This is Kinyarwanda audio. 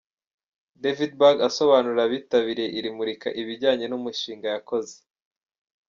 Davidberg asobanurira abitabiriye iri murika ibijyanye n’umushinga yakoze.